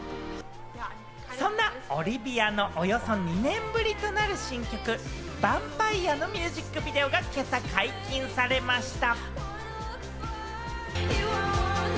そんなオリヴィアのおよそ２年ぶりとなる新曲、『ｖａｍｐｉｒｅ』のミュージックビデオが今朝解禁されました。